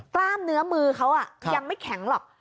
กล้ามเนื้อมือเขายังไม่แข็งหรอก